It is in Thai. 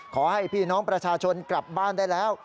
ขอให้พี่น้องประชาชนกลับบ้านได้แล้ว